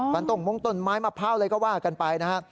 ตรงมงต้นไม้มะพร้าวอะไรก็ว่ากันไปนะฮะ